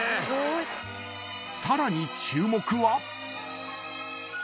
［さらに注目は］